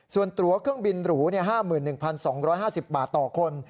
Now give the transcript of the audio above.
ส่วนตัวเครื่องบินหรู๕๑๒๕๐บาทต่อคน